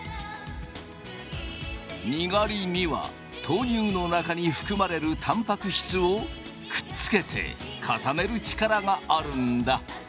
にがりには豆乳の中に含まれるたんぱく質をくっつけて固める力があるんだ。